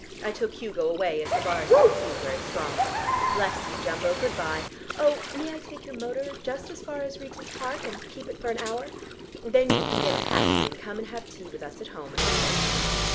I took Hugo away, as the bars didn't seem very strong. Bless you, Jumbo, good bye. Oh, may I take your motor just as far as Regent's Park and keep it for an hour? Then you can get a taxi and come and have tea with us at home, and reclaim it.